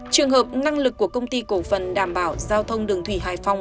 trường hợp năng lực của công ty cổ phần đảm bảo giao thông đường thủy hải phòng